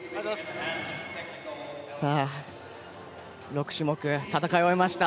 ６種目、戦い終えました。